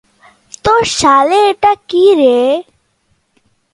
তোর শালে এটা কী রে?